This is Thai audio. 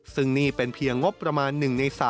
ซึ่งนี่เป็นเพียงงบประมาณ๑ใน๓